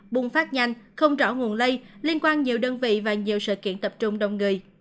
bùng phát nhanh không rõ nguồn lây liên quan nhiều đơn vị và nhiều sự kiện tập trung đông người